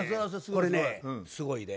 これねすごいで。